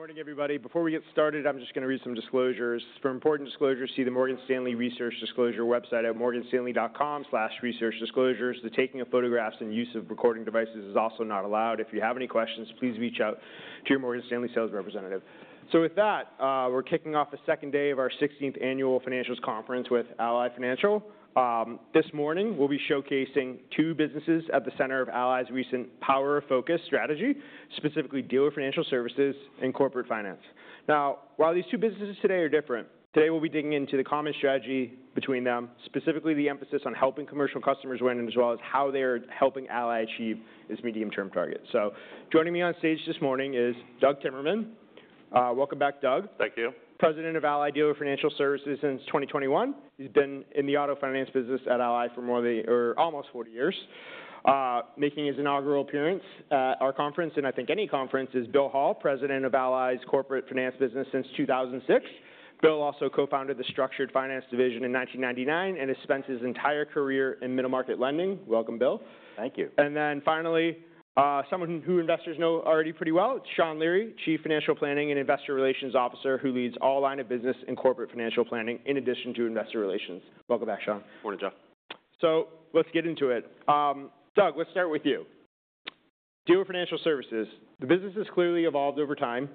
Good morning, everybody. Before we get started, I'm just going to read some disclosures. For important disclosures, see the Morgan Stanley Research Disclosure website at morganstanley.com/researchdisclosures. The taking of photographs and use of recording devices is also not allowed. If you have any questions, please reach out to your Morgan Stanley sales representative. With that, we're kicking off the Second Day Of Our 16th Annual Financials Conference With Ally Financial. This morning, we'll be showcasing two businesses at the center of Ally's recent power of focus strategy, specifically dealer financial services and corporate finance. Now, while these two businesses today are different, today we'll be digging into the common strategy between them, specifically the emphasis on helping commercial customers win, as well as how they are helping Ally achieve its medium-term target. Joining me on stage this morning is Doug Timmerman. Welcome back, Doug. Thank you. President of Ally Dealer Financial Services since 2021. He's been in the auto finance business at Ally for more than or almost 40 years, making his inaugural appearance at our conference, and I think any conference, is Bill Hall, President of Ally's corporate finance business since 2006. Bill also co-founded the structured finance division in 1999 and has spent his entire career in middle market lending. Welcome, Bill. Thank you. Finally, someone who investors know already pretty well, Sean Leary, Chief Financial Planning and Investor Relations Officer who leads all line of business in corporate financial planning in addition to investor relations. Welcome back, Sean. Good morning, Jeff. Let's get into it. Doug, let's start with you. Dealer Financial Services, the business has clearly evolved over time.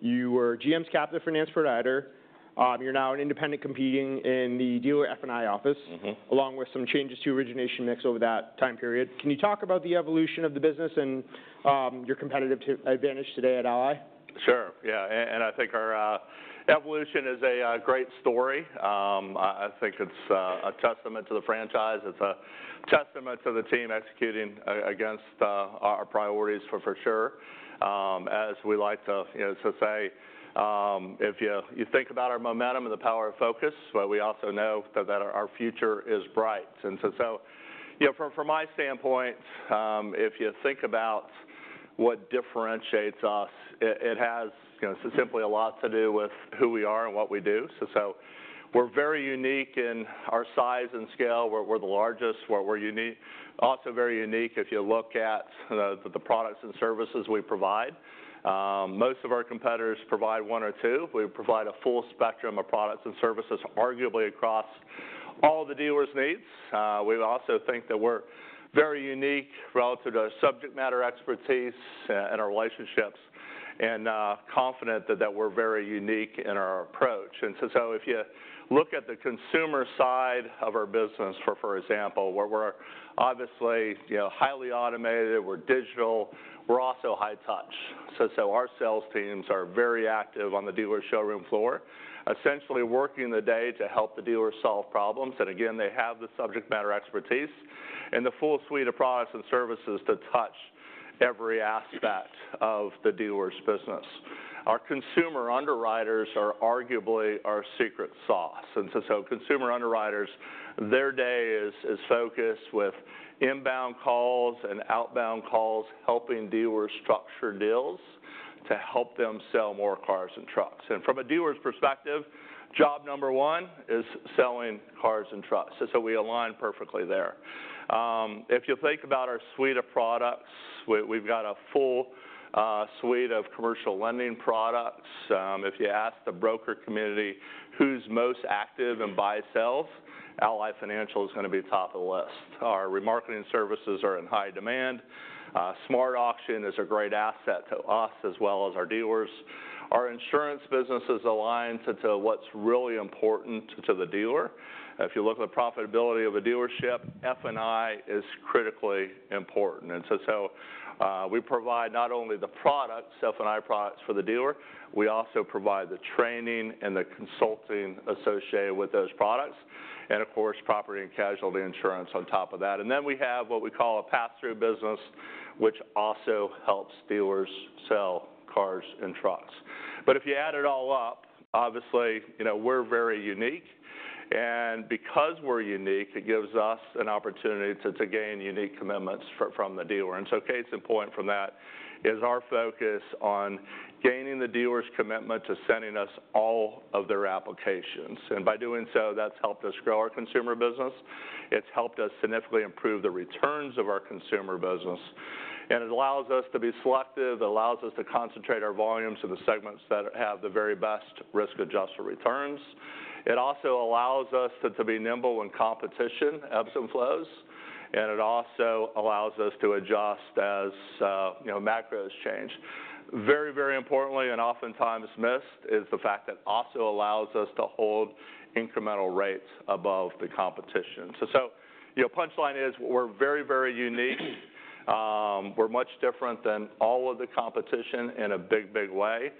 You were GM's captive finance provider. You're now an independent competing in the dealer F&I office, along with some changes to origination mix over that time period. Can you talk about the evolution of the business and your competitive advantage today at Ally? Sure. Yeah. I think our evolution is a great story. I think it's a testament to the franchise. It's a testament to the team executing against our priorities, for sure. As we like to say, if you think about our momentum and the power of focus, we also know that our future is bright. From my standpoint, if you think about what differentiates us, it has simply a lot to do with who we are and what we do. We're very unique in our size and scale. We're the largest. We're also very unique if you look at the products and services we provide. Most of our competitors provide one or two. We provide a full spectrum of products and services, arguably across all the dealer's needs. We also think that we're very unique relative to our subject matter expertise and our relationships, and confident that we're very unique in our approach. If you look at the consumer side of our business, for example, where we're obviously highly automated, we're digital, we're also high touch. Our sales teams are very active on the dealer showroom floor, essentially working the day to help the dealer solve problems. They have the subject matter expertise and the full suite of products and services to touch every aspect of the dealer's business. Our consumer underwriters are arguably our secret sauce. Consumer underwriters, their day is focused with inbound calls and outbound calls, helping dealers structure deals to help them sell more cars and trucks. From a dealer's perspective, job number one is selling cars and trucks. We align perfectly there. If you think about our suite of products, we've got a full suite of commercial lending products. If you ask the broker community who's most active in buy-sells, Ally Financial is going to be top of the list. Our remarketing services are in high demand. Smart Auction is a great asset to us as well as our dealers. Our insurance business is aligned to what's really important to the dealer. If you look at the profitability of a dealership, F&I is critically important. We provide not only the products, F&I products for the dealer, we also provide the training and the consulting associated with those products, and of course, property and casualty insurance on top of that. We have what we call a pass-through business, which also helps dealers sell cars and trucks. If you add it all up, obviously, we're very unique. Because we're unique, it gives us an opportunity to gain unique commitments from the dealer. Case in point from that is our focus on gaining the dealer's commitment to sending us all of their applications. By doing so, that's helped us grow our consumer business. It's helped us significantly improve the returns of our consumer business. It allows us to be selective. It allows us to concentrate our volumes in the segments that have the very best risk-adjusted returns. It also allows us to be nimble when competition ebbs and flows. It also allows us to adjust as macros change. Very, very importantly, and oftentimes missed, is the fact that it also allows us to hold incremental rates above the competition. Punchline is we're very, very unique. We're much different than all of the competition in a big, big way.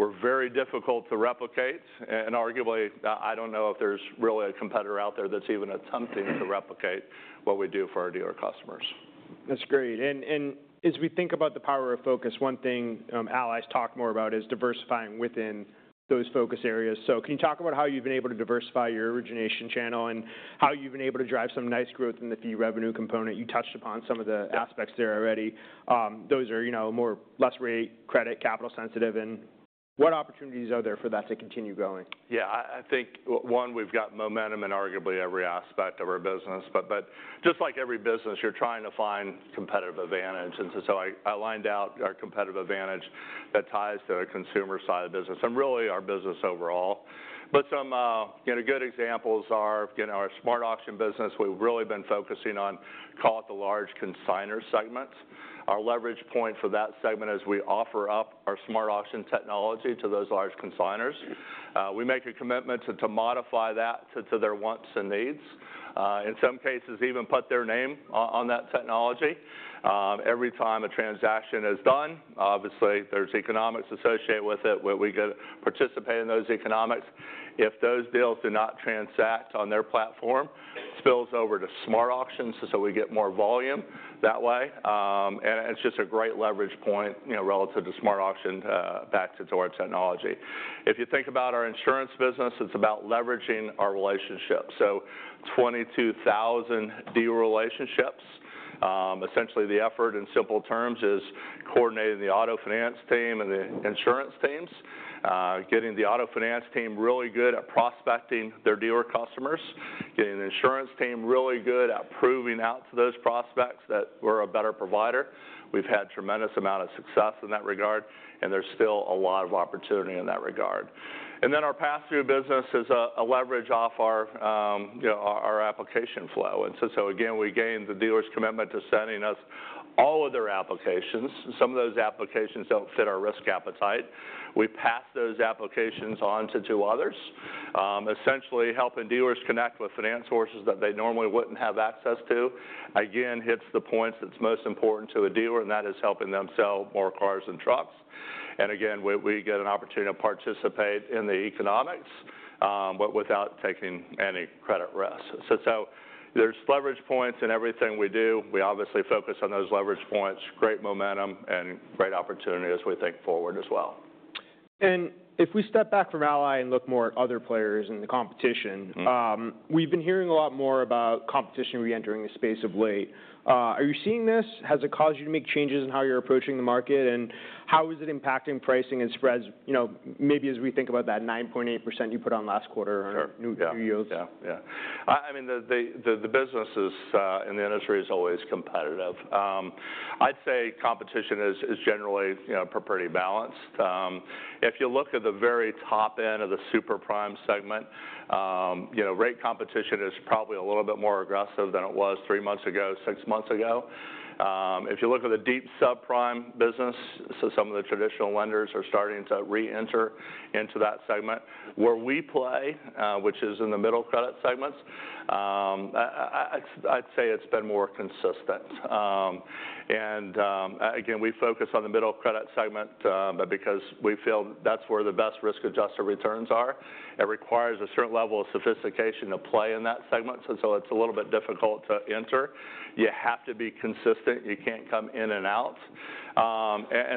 We're very difficult to replicate. And arguably, I don't know if there's really a competitor out there that's even attempting to replicate what we do for our dealer customers. That's great. As we think about the power of focus, one thing Ally's talked more about is diversifying within those focus areas. Can you talk about how you've been able to diversify your origination channel and how you've been able to drive some nice growth in the fee revenue component? You touched upon some of the aspects there already. Those are less rate, credit, capital sensitive. What opportunities are there for that to continue going? Yeah. I think, one, we've got momentum in arguably every aspect of our business. Just like every business, you're trying to find competitive advantage. I lined out our competitive advantage that ties to the consumer side of the business and really our business overall. Some good examples are our Smart Auction business. We've really been focusing on, call it the large consignor segment. Our leverage point for that segment is we offer up our Smart Auction technology to those large consignors. We make a commitment to modify that to their wants and needs. In some cases, even put their name on that technology. Every time a transaction is done, obviously, there's economics associated with it. We participate in those economics. If those deals do not transact on their platform, it spills over to Smart Auction. We get more volume that way. It is just a great leverage point relative to Smart Auction back to our technology. If you think about our insurance business, it is about leveraging our relationships. So 22,000 dealer relationships. Essentially, the effort in simple terms is coordinating the auto finance team and the insurance teams, getting the auto finance team really good at prospecting their dealer customers, getting the insurance team really good at proving out to those prospects that we are a better provider. We have had a tremendous amount of success in that regard. There is still a lot of opportunity in that regard. Then our pass-through business is a leverage off our application flow. Again, we gained the dealer's commitment to sending us all of their applications. Some of those applications do not fit our risk appetite. We pass those applications on to two others, essentially helping dealers connect with finance sources that they normally wouldn't have access to. Again, hits the points that's most important to a dealer, and that is helping them sell more cars and trucks. Again, we get an opportunity to participate in the economics, but without taking any credit risk. There are leverage points in everything we do. We obviously focus on those leverage points. Great momentum and great opportunity as we think forward as well. If we step back from Ally and look more at other players in the competition, we've been hearing a lot more about competition re-entering the space of late. Are you seeing this? Has it caused you to make changes in how you're approaching the market? How is it impacting pricing and spreads, maybe as we think about that 9.8% you put on last quarter or two years? Yeah. Yeah. I mean, the businesses in the industry are always competitive. I'd say competition is generally pretty balanced. If you look at the very top end of the super prime segment, rate competition is probably a little bit more aggressive than it was three months ago, six months ago. If you look at the deep subprime business, some of the traditional lenders are starting to re-enter into that segment. Where we play, which is in the middle credit segments, I'd say it's been more consistent. Again, we focus on the middle credit segment because we feel that's where the best risk-adjusted returns are. It requires a certain level of sophistication to play in that segment. It's a little bit difficult to enter. You have to be consistent. You can't come in and out.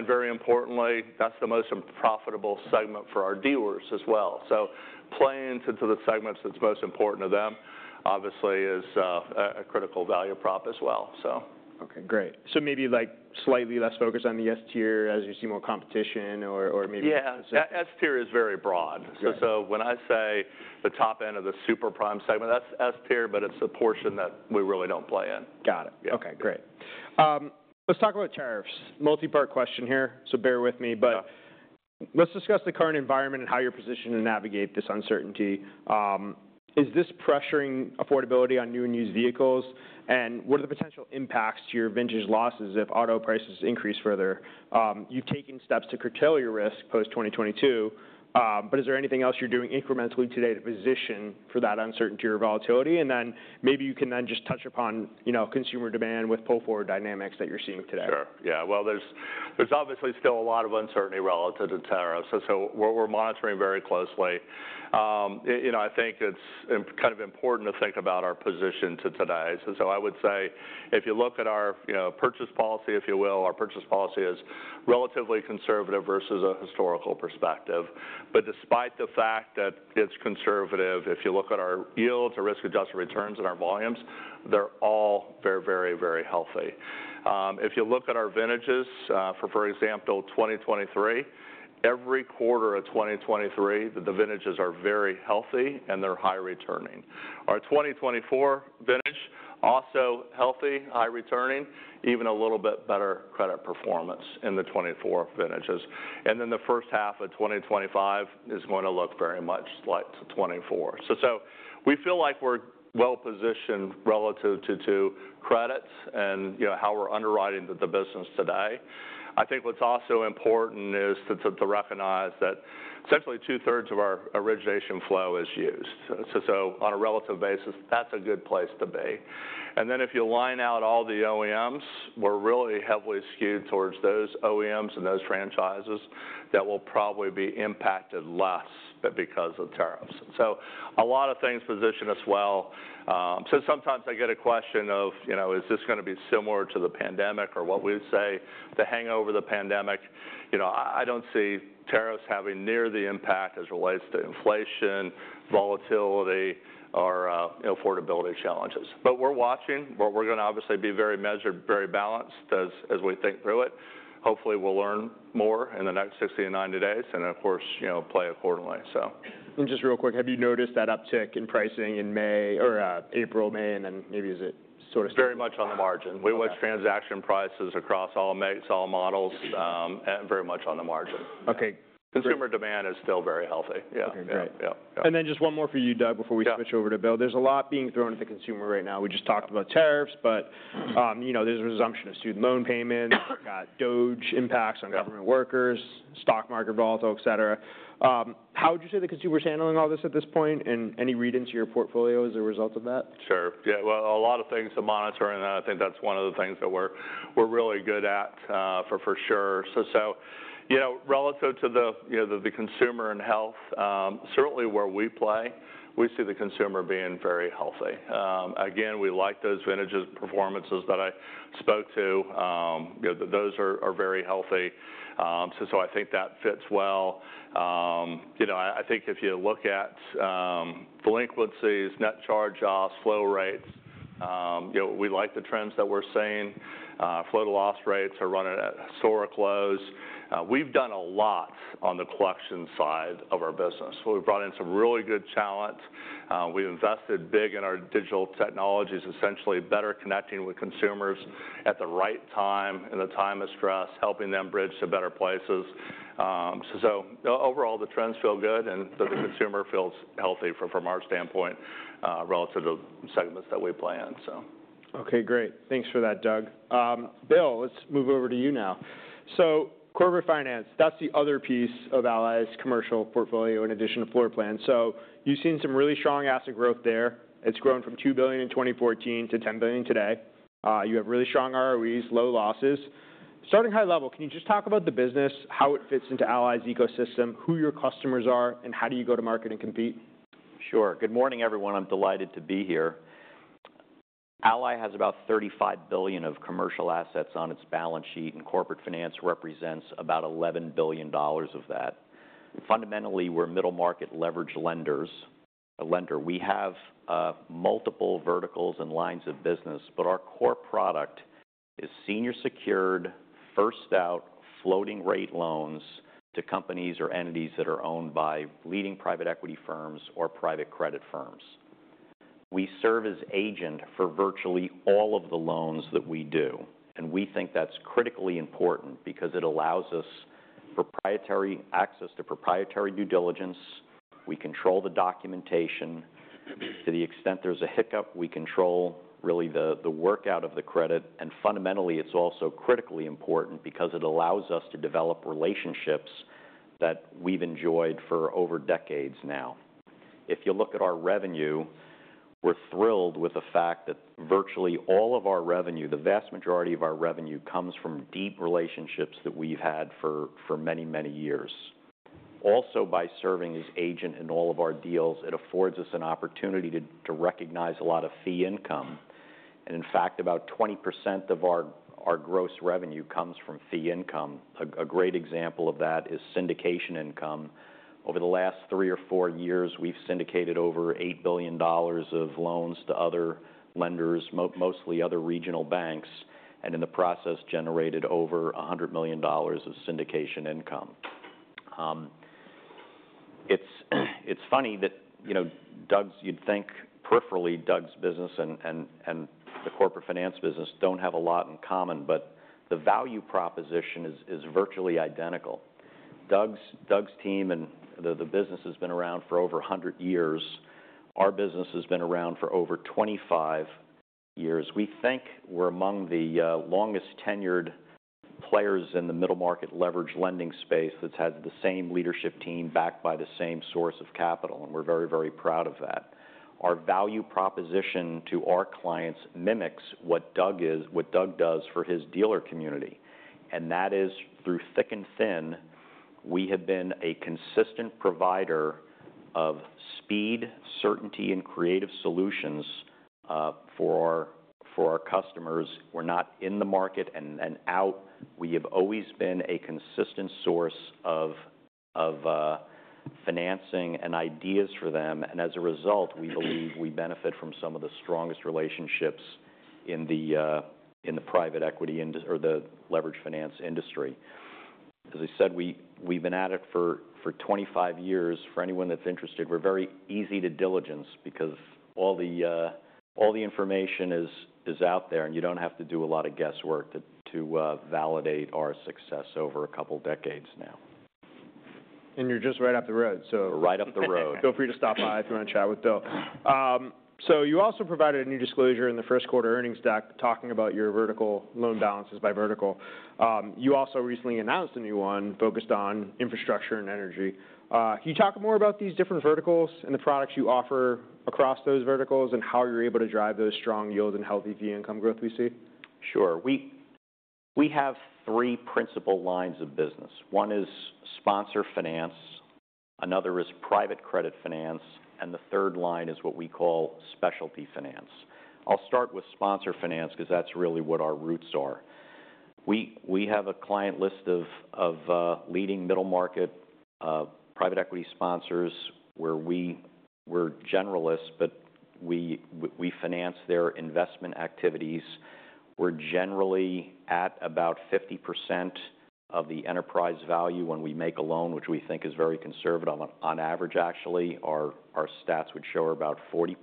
Very importantly, that's the most profitable segment for our dealers as well. Playing into the segments that's most important to them, obviously, is a critical value prop as well. Okay. Great. So maybe slightly less focused on the S tier as you see more competition or maybe. Yeah. S tier is very broad. When I say the top end of the super prime segment, that's S tier, but it's the portion that we really don't play in. Got it. Okay. Great. Let's talk about tariffs. Multi-part question here. So bear with me. Let's discuss the current environment and how you're positioned to navigate this uncertainty. Is this pressuring affordability on new and used vehicles? What are the potential impacts to your vintage losses if auto prices increase further? You've taken steps to curtail your risk post-2022. Is there anything else you're doing incrementally today to position for that uncertainty or volatility? Maybe you can then just touch upon consumer demand with pull forward dynamics that you're seeing today. Sure. Yeah. There is obviously still a lot of uncertainty relative to tariffs. We are monitoring very closely. I think it is kind of important to think about our position today. I would say if you look at our purchase policy, if you will, our purchase policy is relatively conservative versus a historical perspective. Despite the fact that it is conservative, if you look at our yields, our risk-adjusted returns, and our volumes, they are all very, very, very healthy. If you look at our vintages, for example, 2023, every quarter of 2023, the vintages are very healthy and they are high returning. Our 2024 vintage, also healthy, high returning, even a little bit better credit performance in the 2024 vintages. The first half of 2025 is going to look very much like 2024. We feel like we're well positioned relative to credit and how we're underwriting the business today. I think what's also important is to recognize that essentially two-thirds of our origination flow is used. On a relative basis, that's a good place to be. If you line out all the OEMs, we're really heavily skewed towards those OEMs and those franchises that will probably be impacted less because of tariffs. A lot of things position us well. Sometimes I get a question of, is this going to be similar to the pandemic or what we say, the hangover of the pandemic? I don't see tariffs having near the impact as it relates to inflation, volatility, or affordability challenges. We're watching. We're going to obviously be very measured, very balanced as we think through it. Hopefully, we'll learn more in the next 60 to 90 days and, of course, play accordingly. Just real quick, have you noticed that uptick in pricing in April, May, and then maybe is it sort of. Very much on the margin. We watch transaction prices across all makes, all models, very much on the margin. Okay .Consumer demand is still very healthy. Yeah. Just one more for you, Doug, before we switch over to Bill. There is a lot being thrown at the consumer right now. We just talked about tariffs, but there is a resumption of student loan payments. We have got DOGE impacts on government workers, stock market volatility, etc. How would you say the consumer is handling all this at this point and any read into your portfolio as a result of that? Sure. Yeah. A lot of things to monitor. I think that's one of the things that we're really good at for sure. Relative to the consumer and health, certainly where we play, we see the consumer being very healthy. Again, we like those vintages and performances that I spoke to. Those are very healthy. I think that fits well. I think if you look at delinquencies, net charge loss, flow rates, we like the trends that we're seeing. Flow to loss rates are running at historic lows. We've done a lot on the collection side of our business. We've brought in some really good talent. We've invested big in our digital technologies, essentially better connecting with consumers at the right time and the time of stress, helping them bridge to better places. Overall, the trends feel good and the consumer feels healthy from our standpoint relative to the segments that we play in. Okay. Great. Thanks for that, Doug. Bill, let's move over to you now. So corporate finance, that's the other piece of Ally's commercial portfolio in addition to floor plan. You have seen some really strong asset growth there. It's grown from $2 billion in 2014 to $10 billion today. You have really strong ROEs, low losses. Starting high level, can you just talk about the business, how it fits into Ally's ecosystem, who your customers are, and how do you go to market and compete? Sure. Good morning, everyone. I'm delighted to be here. Ally has about $35 billion of commercial assets on its balance sheet, and corporate finance represents about $11 billion of that. Fundamentally, we're middle market leveraged lenders. We have multiple verticals and lines of business, but our core product is senior secured, first-out floating rate loans to companies or entities that are owned by leading private equity firms or private credit firms. We serve as agent for virtually all of the loans that we do. We think that's critically important because it allows us proprietary access to proprietary due diligence. We control the documentation. To the extent there's a hiccup, we control really the workout of the credit. Fundamentally, it's also critically important because it allows us to develop relationships that we've enjoyed for over decades now. If you look at our revenue, we're thrilled with the fact that virtually all of our revenue, the vast majority of our revenue, comes from deep relationships that we've had for many, many years. Also, by serving as agent in all of our deals, it affords us an opportunity to recognize a lot of fee income. In fact, about 20% of our gross revenue comes from fee income. A great example of that is syndication income. Over the last three or four years, we've syndicated over $8 billion of loans to other lenders, mostly other regional banks, and in the process, generated over $100 million of syndication income. It's funny that, Doug, you'd think peripherally, Doug's business and the corporate finance business don't have a lot in common, but the value proposition is virtually identical. Doug's team and the business has been around for over 100 years. Our business has been around for over 25 years. We think we're among the longest-tenured players in the middle market leveraged lending space that's had the same leadership team backed by the same source of capital. We are very, very proud of that. Our value proposition to our clients mimics what Doug does for his dealer community. That is, through thick and thin, we have been a consistent provider of speed, certainty, and creative solutions for our customers. We are not in the market and out. We have always been a consistent source of financing and ideas for them. As a result, we believe we benefit from some of the strongest relationships in the private equity or the leveraged finance industry. As I said, we've been at it for 25 years. For anyone that's interested, we're very easy to diligence because all the information is out there, and you don't have to do a lot of guesswork to validate our success over a couple of decades now. You're just right up the road, so. Right up the road. Feel free to stop by if you want to chat with Bill. You also provided a new disclosure in the first quarter earnings doc talking about your vertical loan balances by vertical. You also recently announced a new one focused on infrastructure and energy. Can you talk more about these different verticals and the products you offer across those verticals and how you're able to drive those strong yields and healthy fee income growth we see? Sure. We have three principal lines of business. One is sponsor finance. Another is private credit finance. The third line is what we call specialty finance. I'll start with sponsor finance because that's really what our roots are. We have a client list of leading middle market private equity sponsors where we're generalists, but we finance their investment activities. We're generally at about 50% of the enterprise value when we make a loan, which we think is very conservative. On average, actually, our stats would show about 40%.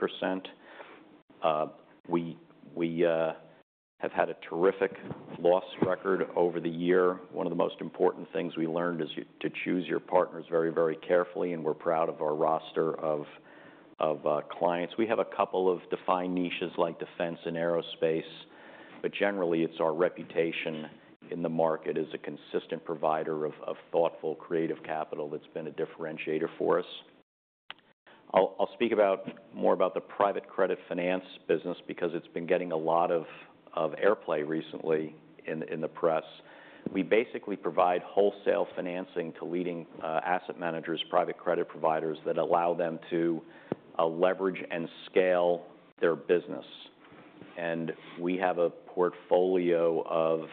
We have had a terrific loss record over the year. One of the most important things we learned is to choose your partners very, very carefully. We're proud of our roster of clients. We have a couple of defined niches like defense and aerospace. Generally, it's our reputation in the market as a consistent provider of thoughtful, creative capital that's been a differentiator for us. I'll speak more about the private credit finance business because it's been getting a lot of airplay recently in the press. We basically provide wholesale financing to leading asset managers, private credit providers that allow them to leverage and scale their business. We have a portfolio of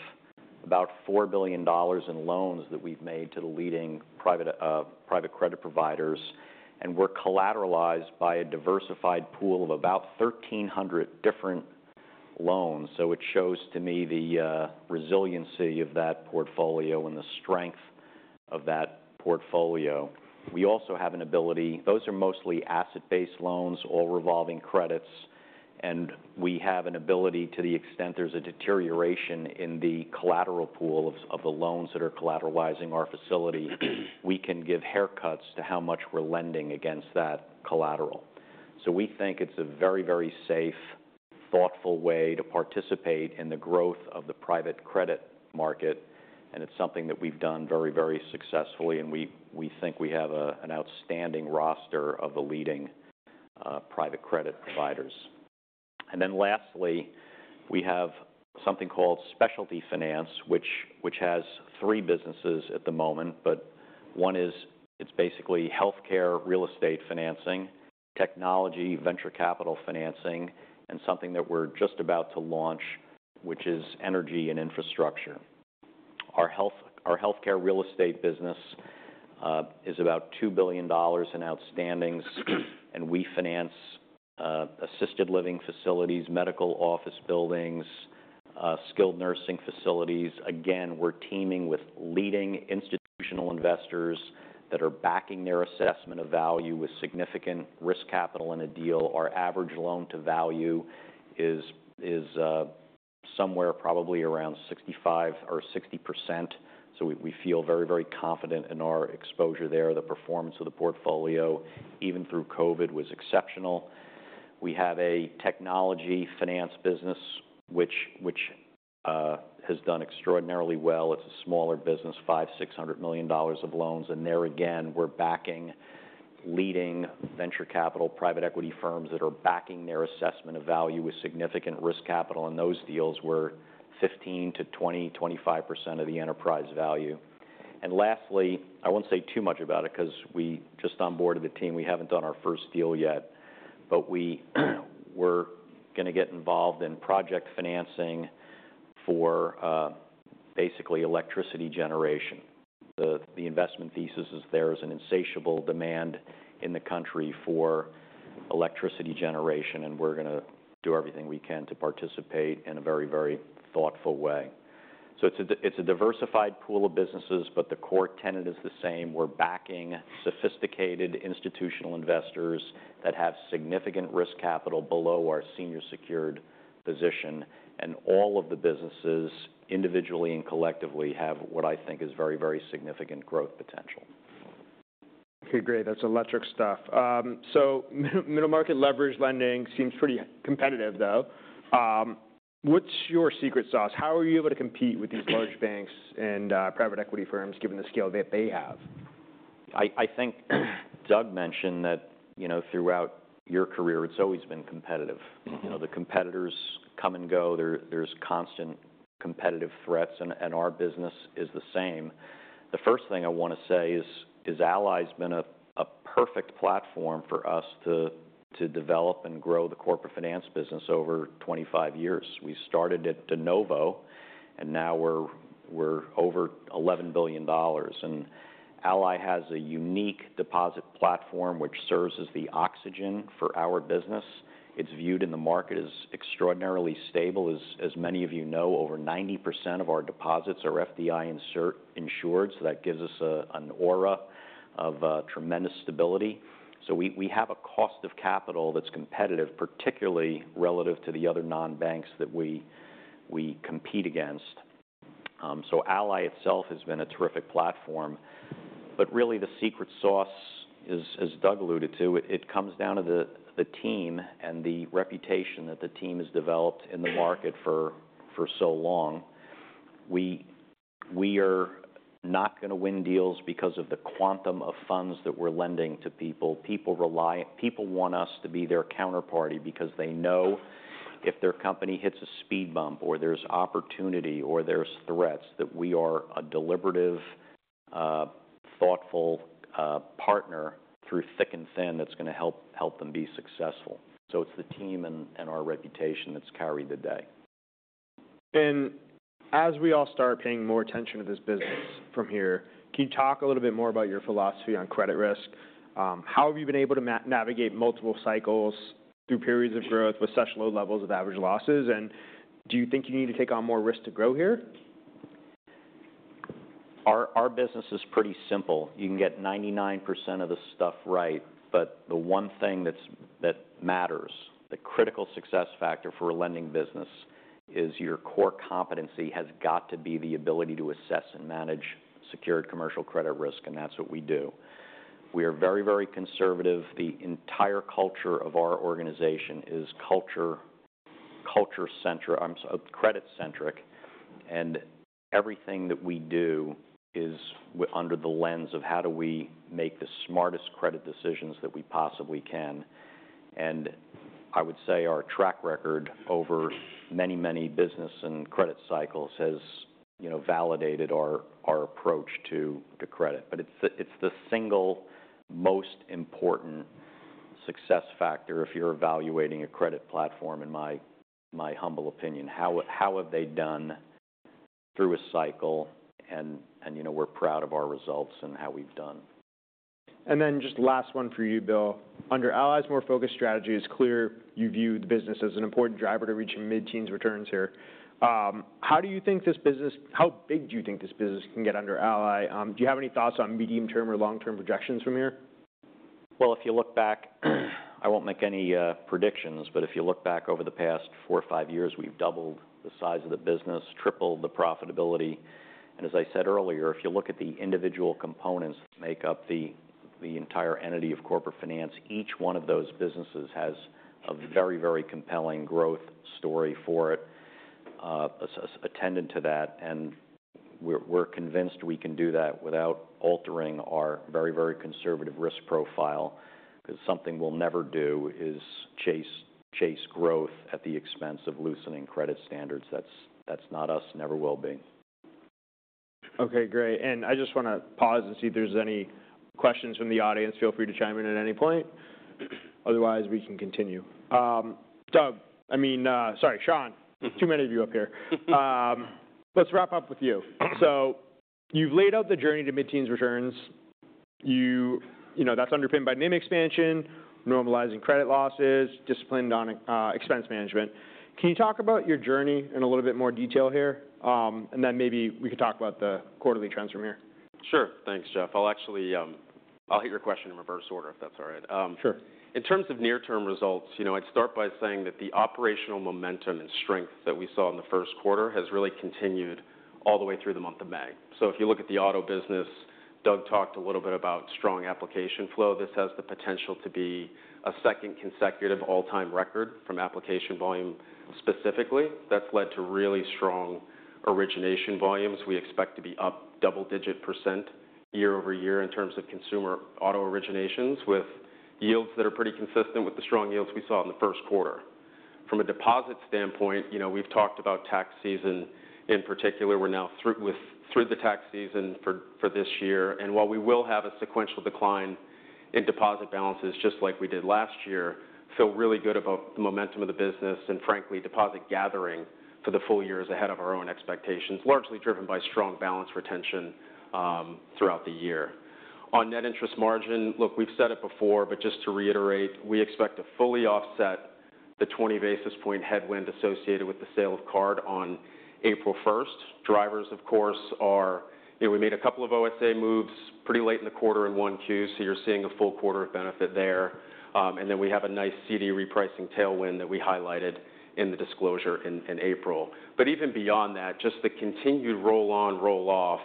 about $4 billion in loans that we've made to the leading private credit providers. We're collateralized by a diversified pool of about 1,300 different loans. It shows to me the resiliency of that portfolio and the strength of that portfolio. We also have an ability, those are mostly asset-based loans, all revolving credits. We have an ability to the extent there's a deterioration in the collateral pool of the loans that are collateralizing our facility, we can give haircuts to how much we're lending against that collateral. We think it's a very, very safe, thoughtful way to participate in the growth of the private credit market. It's something that we've done very, very successfully. We think we have an outstanding roster of the leading private credit providers. Lastly, we have something called specialty finance, which has three businesses at the moment. One is basically healthcare, real estate financing, technology, venture capital financing, and something that we're just about to launch, which is energy and infrastructure. Our healthcare real estate business is about $2 billion in outstandings. We finance assisted living facilities, medical office buildings, skilled nursing facilities. Again, we're teaming with leading institutional investors that are backing their assessment of value with significant risk capital in a deal. Our average loan to value is somewhere probably around 65% or 60%. We feel very, very confident in our exposure there. The performance of the portfolio, even through COVID, was exceptional. We have a technology finance business, which has done extraordinarily well. It's a smaller business, $500 million to $600 million of loans. There again, we're backing leading venture capital private equity firms that are backing their assessment of value with significant risk capital. Those deals were 15% to 20%, 25% of the enterprise value. Lastly, I won't say too much about it because we just onboarded the team. We haven't done our first deal yet. We were going to get involved in project financing for basically electricity generation. The investment thesis is there is an insatiable demand in the country for electricity generation. We are going to do everything we can to participate in a very, very thoughtful way. It is a diversified pool of businesses, but the core tenet is the same. We are backing sophisticated institutional investors that have significant risk capital below our senior secured position. All of the businesses, individually and collectively, have what I think is very, very significant growth potential. Okay. Great. That's electric stuff. Middle market leveraged lending seems pretty competitive, though. What's your secret sauce? How are you able to compete with these large banks and private equity firms given the scale that they have? I think Doug mentioned that throughout your career, it's always been competitive. The competitors come and go. There's constant competitive threats. Our business is the same. The first thing I want to say is Ally's been a perfect platform for us to develop and grow the corporate finance business over 25 years. We started at DeNovo, and now we're over $11 billion. Ally has a unique deposit platform, which serves as the oxygen for our business. It's viewed in the market as extraordinarily stable. As many of you know, over 90% of our deposits are FDIC insured. That gives us an aura of tremendous stability. We have a cost of capital that's competitive, particularly relative to the other non-banks that we compete against. Ally itself has been a terrific platform. Really, the secret sauce, as Doug alluded to, it comes down to the team and the reputation that the team has developed in the market for so long. We are not going to win deals because of the quantum of funds that we're lending to people. People want us to be their counterparty because they know if their company hits a speed bump or there's opportunity or there's threats, that we are a deliberative, thoughtful partner through thick and thin that's going to help them be successful. It is the team and our reputation that's carried the day. As we all start paying more attention to this business from here, can you talk a little bit more about your philosophy on credit risk? How have you been able to navigate multiple cycles through periods of growth with such low levels of average losses? Do you think you need to take on more risk to grow here? Our business is pretty simple. You can get 99% of the stuff right. The one thing that matters, the critical success factor for a lending business, is your core competency has got to be the ability to assess and manage secured commercial credit risk. That's what we do. We are very, very conservative. The entire culture of our organization is culture-centric. Everything that we do is under the lens of how do we make the smartest credit decisions that we possibly can. I would say our track record over many, many business and credit cycles has validated our approach to credit. It's the single most important success factor if you're evaluating a credit platform, in my humble opinion. How have they done through a cycle? We're proud of our results and how we've done. Just last one for you, Bill. Under Ally's more focused strategy, it is clear you view the business as an important driver to reaching mid-teens returns here. How do you think this business, how big do you think this business can get under Ally? Do you have any thoughts on medium-term or long-term projections from here? If you look back, I won't make any predictions. If you look back over the past four or five years, we've doubled the size of the business, tripled the profitability. As I said earlier, if you look at the individual components that make up the entire entity of corporate finance, each one of those businesses has a very, very compelling growth story for it attendant to that. We're convinced we can do that without altering our very, very conservative risk profile because something we'll never do is chase growth at the expense of loosening credit standards. That's not us, never will be. Okay. Great. I just want to pause and see if there's any questions from the audience. Feel free to chime in at any point. Otherwise, we can continue. Doug, I mean, sorry, Sean, too many of you up here. Let's wrap up with you. You've laid out the journey to mid-teens returns. That's underpinned by NIM expansion, normalizing credit losses, disciplined on expense management. Can you talk about your journey in a little bit more detail here? And then maybe we can talk about the quarterly trends from here. Sure. Thanks, Jeff. I'll hit your question in reverse order if that's all right. Sure. In terms of near-term results, I'd start by saying that the operational momentum and strength that we saw in the first quarter has really continued all the way through the month of May. If you look at the auto business, Doug talked a little bit about strong application flow. This has the potential to be a second consecutive all-time record from application volume specifically. That's led to really strong origination volumes. We expect to be up double-digit % year over year in terms of consumer auto originations with yields that are pretty consistent with the strong yields we saw in the first quarter. From a deposit standpoint, we've talked about tax season in particular. We're now through the tax season for this year. While we will have a sequential decline in deposit balances just like we did last year, feel really good about the momentum of the business and, frankly, deposit gathering for the full year is ahead of our own expectations, largely driven by strong balance retention throughout the year. On net interest margin, look, we've said it before, but just to reiterate, we expect to fully offset the 20 basis point headwind associated with the sale of card on April 1. Drivers, of course, are we made a couple of OSA moves pretty late in the quarter in Q1. You are seeing a full quarter of benefit there. We have a nice CD repricing tailwind that we highlighted in the disclosure in April. Even beyond that, just the continued roll-on, roll-off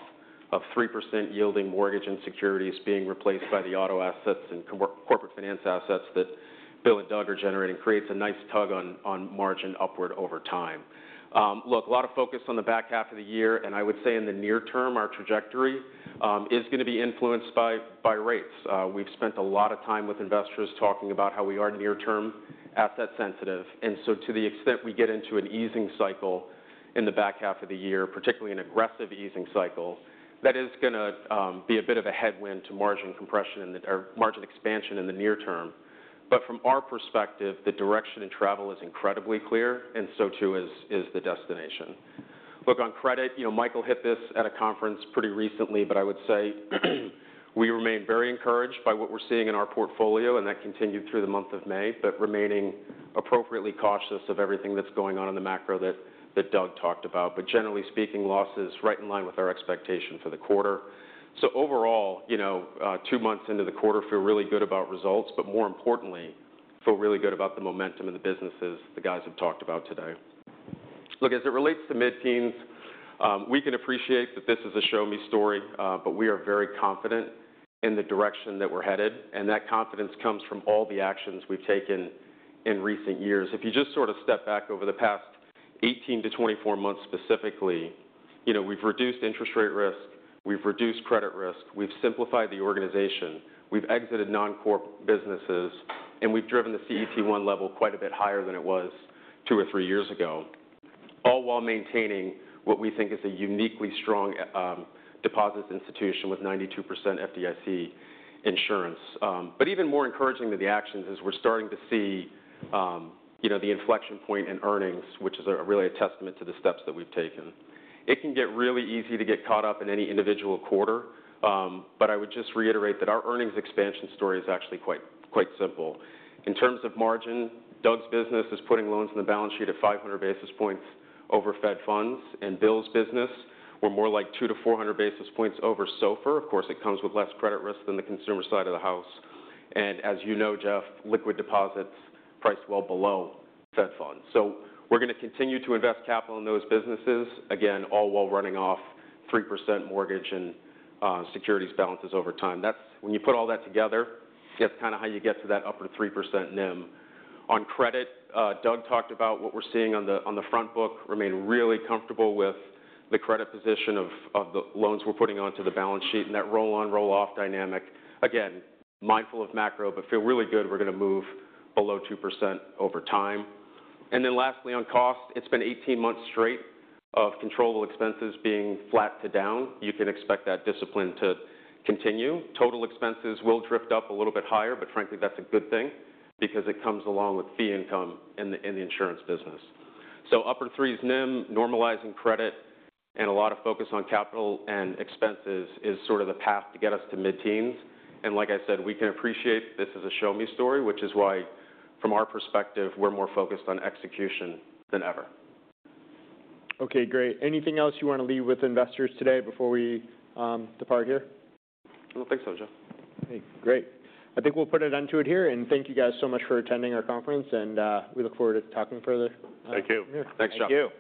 of 3% yielding mortgage and securities being replaced by the auto assets and corporate finance assets that Bill and Doug are generating creates a nice tug on margin upward over time. Look, a lot of focus on the back half of the year. I would say in the near term, our trajectory is going to be influenced by rates. We've spent a lot of time with investors talking about how we are near-term asset sensitive. To the extent we get into an easing cycle in the back half of the year, particularly an aggressive easing cycle, that is going to be a bit of a headwind to margin compression or margin expansion in the near term. From our perspective, the direction and travel is incredibly clear. So too is the destination. Look, on credit, Michael hit this at a conference pretty recently. I would say we remain very encouraged by what we're seeing in our portfolio. That continued through the month of May, remaining appropriately cautious of everything that's going on in the macro that Doug talked about. Generally speaking, losses right in line with our expectation for the quarter. Overall, two months into the quarter, feel really good about results. More importantly, feel really good about the momentum in the businesses the guys have talked about today. Look, as it relates to mid-teens, we can appreciate that this is a show-me story. We are very confident in the direction that we're headed. That confidence comes from all the actions we've taken in recent years. If you just sort of step back over the past 18 to 24 months specifically, we've reduced interest rate risk. We've reduced credit risk. We've simplified the organization. We've exited non-core businesses. We've driven the CET1 level quite a bit higher than it was two or three years ago, all while maintaining what we think is a uniquely strong deposits institution with 92% FDIC insurance. Even more encouraging than the actions is we're starting to see the inflection point in earnings, which is really a testament to the steps that we've taken. It can get really easy to get caught up in any individual quarter. I would just reiterate that our earnings expansion story is actually quite simple. In terms of margin, Doug's business is putting loans in the balance sheet at 500 basis points over Fed funds. Bill's business, we're more like 200 to 400 basis points over SOFR. Of course, it comes with less credit risk than the consumer side of the house. As you know, Jeff, liquid deposits priced well below Fed funds. We're going to continue to invest capital in those businesses, again, all while running off 3% mortgage and securities balances over time. When you put all that together, that's kind of how you get to that upper 3% NIM. On credit, Doug talked about what we're seeing on the front book. Remain really comfortable with the credit position of the loans we're putting onto the balance sheet and that roll-on, roll-off dynamic. Mindful of macro, but feel really good we're going to move below 2% over time. Lastly, on cost, it's been 18 months straight of controllable expenses being flat to down. You can expect that discipline to continue. Total expenses will drift up a little bit higher. Frankly, that's a good thing because it comes along with fee income in the insurance business. Upper 3's NIM, normalizing credit, and a lot of focus on capital and expenses is sort of the path to get us to mid-teens. Like I said, we can appreciate this is a show-me story, which is why, from our perspective, we're more focused on execution than ever. Okay. Great. Anything else you want to leave with investors today before we depart here? I don't think so, Jeff. Okay. Great. I think we'll put an end to it here. Thank you guys so much for attending our conference. We look forward to talking further. Thank you. Thanks, John. Thank you.